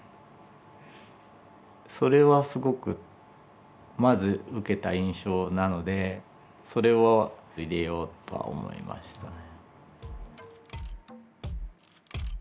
それはすごくまず受けた印象なのでそれは入れようとは思いましたね。